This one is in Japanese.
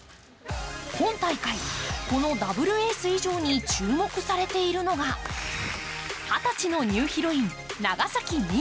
今大会、このダブルエース以上に注目されているのが二十歳のニューヒロイン長崎美柚。